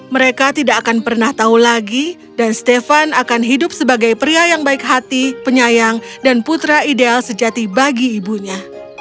mereka tidak akan pernah tahu lagi dan stefan akan hidup sebagai pria yang baik hati penyayang dan putra ideal sejati bagi ibunya